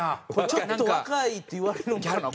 ちょっと若いって言われるのかな？